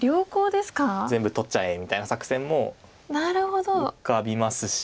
全部取っちゃえみたいな作戦も浮かびますし。